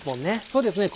そうですね